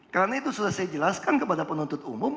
karena itu sudah saya jelaskan kepada penuntut umum